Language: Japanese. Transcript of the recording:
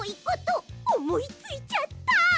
ことおもいついちゃった！